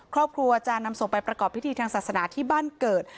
ครอบครัวจะนำส่งไปประกอบพิธีทางศาสนาที่บ้านเกิด